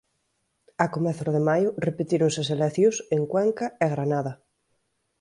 A comezos de maio repetíronse as eleccións en Cuenca e Granada.